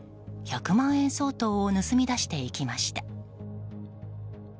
１００万円相当を盗み出していきました。